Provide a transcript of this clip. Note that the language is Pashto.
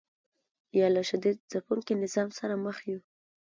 یا له شدید ځپونکي نظام سره مخ یو.